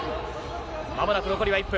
間もなく残りは１分。